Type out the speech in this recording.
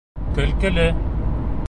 Көлкөлө